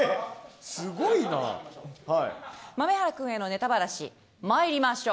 豆原君へのネタバラシまいりましょう。